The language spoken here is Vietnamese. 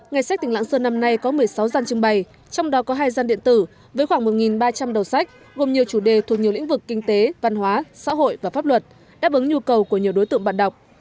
ngày sách tỉnh lạng sơn năm nay có một mươi sáu gian trưng bày trong đó có hai gian điện tử với khoảng một ba trăm linh đầu sách gồm nhiều chủ đề thuộc nhiều lĩnh vực kinh tế văn hóa xã hội và pháp luật đáp ứng nhu cầu của nhiều đối tượng bạn đọc